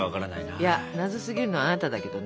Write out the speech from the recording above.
いや謎すぎるのはあなただけどね。